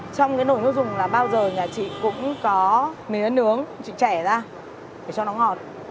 trong cái nồi nước dùng là bao giờ nhà chị cũng có mía nướng chị chẻ ra để cho nó ngọt